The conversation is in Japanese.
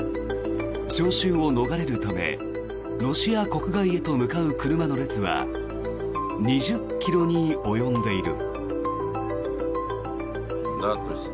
招集を逃れるためロシア国外へと向かう車の列は２０ｋｍに及んでいる。